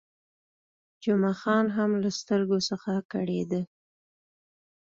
جمعه خان هم له سترګو څخه کړېده.